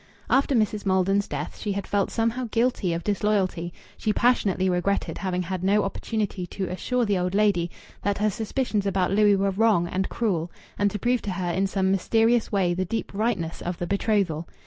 After Mrs. Maldon's death she had felt somehow guilty of disloyalty; she passionately regretted having had no opportunity to assure the old lady that her suspicions about Louis were wrong and cruel, and to prove to her in some mysterious way the deep rightness of the betrothal.